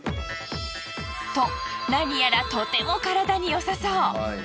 となにやらとても体に良さそう！